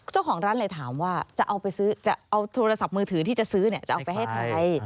เจ้าของร้านเลยถามว่าจะเอาไปซื้อจะเอาโทรศัพท์มือถือที่จะซื้อจะเอาไปให้ใคร